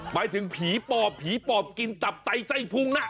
หมายถึงผีปอบผีปอบกินตับไตไส้พุงนะ